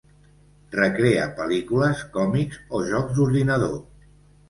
Recrea pel·lícules, còmics o jocs d’ordinador.